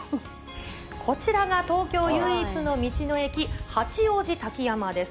こちらが東京唯一の道の駅、八王子滝山です。